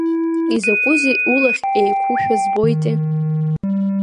Изакәызеи улахь еиқәушәа збоитеи?